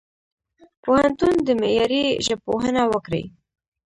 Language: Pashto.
پوهنتون دي معیاري ژبپوهنه وکړي.